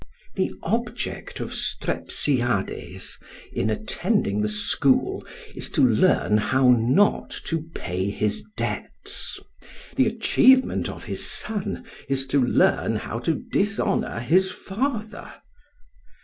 The object of Strepsiades in attending the school is to learn how not to pay his debts; the achievement of his son is to learn how to dishonour his father.